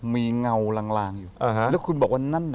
มีเงาลังอ่ะแล้วคุณบอกว่านั่น